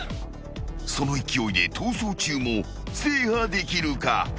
［その勢いで『逃走中』も制覇できるか？］